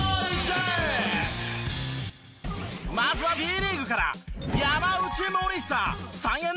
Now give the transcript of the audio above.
まずはＢリーグから。